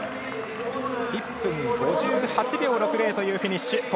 １分５８秒６０というフィニッシュ。